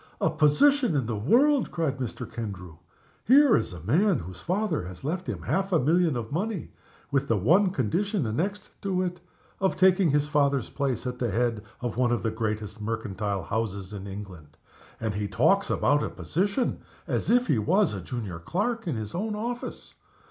"A position in the world!" cried Mr. Kendrew. "Here is a man whose father has left him half a million of money with the one condition annexed to it of taking his father's place at the head of one of the greatest mercantile houses in England. And he talks about a position, as if he was a junior clerk in his own office!